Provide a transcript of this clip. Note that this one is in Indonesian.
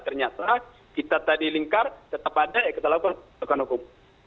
ternyata kita tadi lingkar tetap ada ya kita lakukan hukum